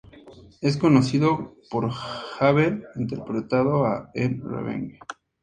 Es conocido por haber interpretado a en "Revenge".